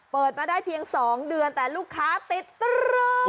เปิดมาได้เพียง๒เดือนแต่ลูกค้าติดตรง